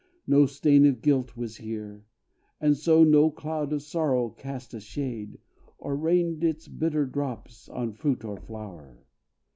No stain of guilt was here, And so, no cloud of sorrow cast a shade, Or rained its bitter drops on fruit or flower.